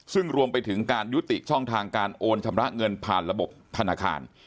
ซึ่งรวมไปถึงการยุติช่องทางการโอนชำระเงินผ่านระบบธนาคาร